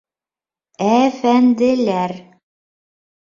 Әәфәнделәр!